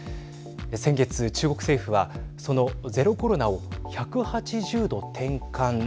先月、中国政府はそのゼロコロナを１８０度転換。